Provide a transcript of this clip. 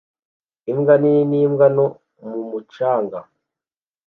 Imbwa nini n'imbwa nto mu mucanga